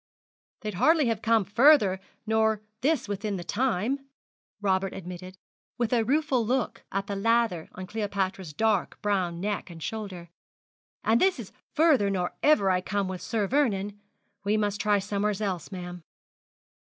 'They'd hardly have come further nor this within the time,' Robert admitted, with a rueful look at the lather on Cleopatra's dark brown neck and shoulder; 'and this is further nor ever I come with Sir Vernon. We must try somewheres else, ma'am.